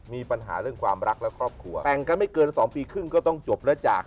มีปัญหาเรื่องความรักและครอบครัวแต่งกันไม่เกิน๒ปีครึ่งก็ต้องจบแล้วจาก